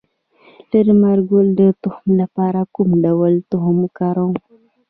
د لمر ګل د تخم لپاره کوم ډول تخم وکاروم؟